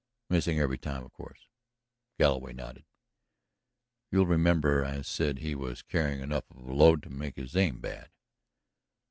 "Missing every time, of course?" Galloway nodded. "You'll remember I said he was carrying enough of a load to make his aim bad."